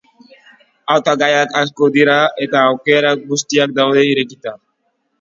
Hautagaiak asko dira eta aukera guztiak daude irekita.